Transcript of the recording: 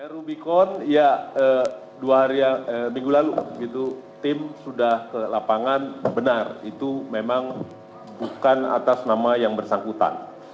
rubicon ya dua hari minggu lalu tim sudah ke lapangan benar itu memang bukan atas nama yang bersangkutan